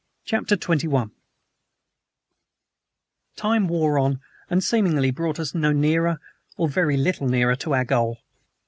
CHAPTER XXI TIME wore on and seemingly brought us no nearer, or very little nearer, to our goal.